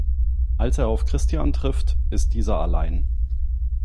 Als er auf Christian trifft, ist dieser allein.